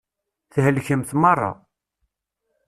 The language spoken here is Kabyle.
Thelkemt meṛṛa.